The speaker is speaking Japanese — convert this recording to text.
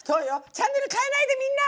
チャンネルかえないでみんな！